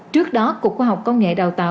trước đó cục khoa học công nghệ đào tạo